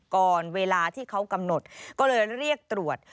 ก่อนเวลาที่เขากำหนดก็เลยเรียกตรวจ